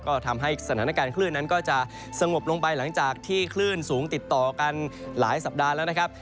ก็ทำให้สถานการณ์คลื่นนั้นก็จะสงบลงไปหลังจากที่คลื่นสูงติดต่อกันหลายสัปดาห์แล้วนะครับ